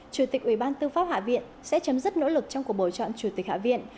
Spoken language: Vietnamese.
chủ tịch ủy ban tư pháp hạ viện sẽ chấm dứt nỗ lực trong cuộc bồi chọn chủ tịch hạ viện